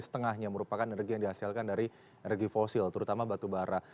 saat ini kalau kita melihat bahwa energi yang dihasilkan dari energi fosil terutama batubara